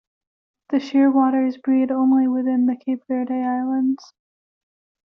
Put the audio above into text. The shearwaters breed only within the Cape Verde Islands.